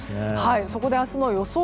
そこで明日の予想